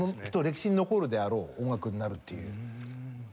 きっと歴史に残るであろう音楽になるっていう。